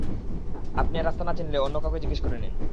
আপনি রাস্তা না চিনলে, অন্য কাউকে জিজ্ঞেস করে নিন।